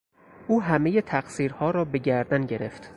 او همهی تقصیرها را به گردن گرفت.